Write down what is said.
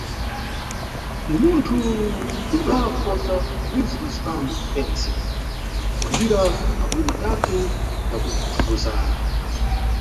Ni munthu nyakudala kuposa wentse pantsi pano pentse kukwanira magole matatu ya kutsogozana.